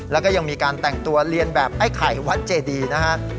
แล้วก็ยังมีการแต่งตัวเรียนแบบไอ้ไข่วัดเจดีนะฮะ